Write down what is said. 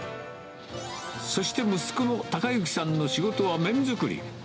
そして息子の孝之さんの仕事は麺作り。